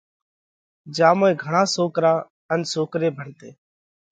جيا موئين گھڻا سوڪرا ان سوڪري ڀڻتي۔